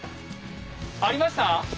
ありました？